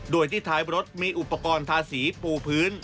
โดยที่ท้ายรถมีอุปกรณ์ทาสีปูพื้น